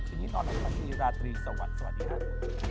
ทีนี้ตอนนั้นสามีราตรีสวัสดีครับ